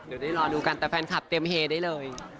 เดี๋ยวได้รอดูกันแต่แฟนคลับเตรียมเฮได้เลย